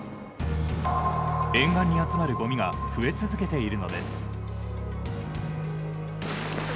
沿岸に集まるごみが増え続けているのです。